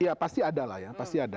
ya pasti ada lah ya pasti ada